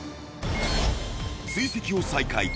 追跡を再開